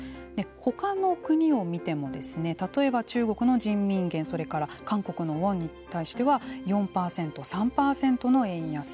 ほかの国を見ても例えば中国の人民元それから韓国のウォンに対しては４％、３％の円安。